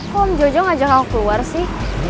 kok jojo ngajak aku keluar sih